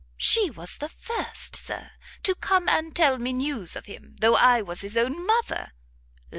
She was the first, Sir, to come and tell me news of him though I was his own mother!